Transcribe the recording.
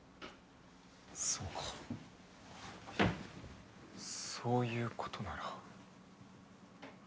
そうかそういうことなら。